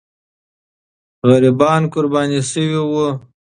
غریبان قرباني سوي وو.